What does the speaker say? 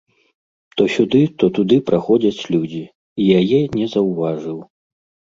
То сюды, то туды праходзяць людзі, і яе не заўважыў.